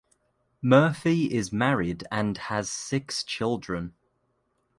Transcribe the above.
Murphy is married and has six children.